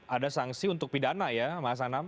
ada sanksi untuk pidana ya mas anam